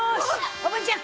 おぶんちゃん！